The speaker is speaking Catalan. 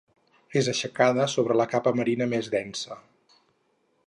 És aixecada sobre la capa marina més densa.